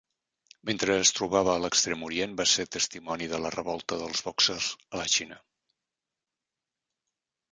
Mentre es trobava a l'Extrem Orient, va ser testimoni de la revolta dels bòxers a la Xina.